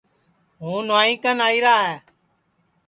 ہوں نُوائی کن آئیرا ہے